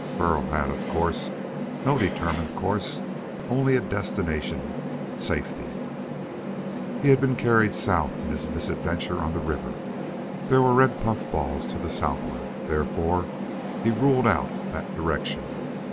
Burl had, of course, no determined course, only a destination safety. He had been carried south, in his misadventure on the river. There were red puffballs to southward, therefore he ruled out that direction.